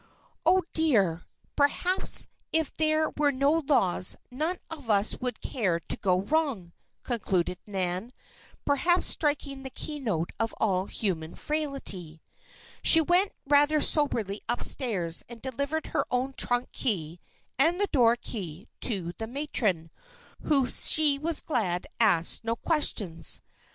"Oh, dear! perhaps if there were no laws none of us would care to go wrong," concluded Nan, perhaps striking the key note of all human frailty. She went rather soberly up stairs and delivered her own trunk key and the door key to the matron, who she was glad asked her no questions.